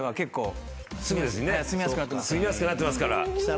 「住みやすくなってますから」